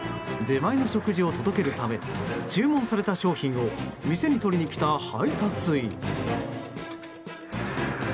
出前の食事を届けるため注文された商品を店に取りに来た配達員。